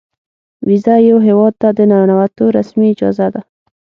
ویزه یو هیواد ته د ننوتو رسمي اجازه ده.